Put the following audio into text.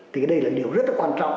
thì cái đây là điều rất là quan trọng